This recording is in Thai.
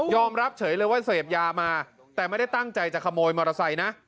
อมรับเฉยเลยว่าเสพยามาแต่ไม่ได้ตั้งใจจะขโมยมอเตอร์ไซค์นะ